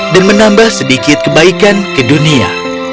dan menambah sedikit kebaikan ke dunia